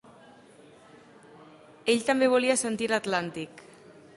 Ell també volia sentir l'Atlàntic.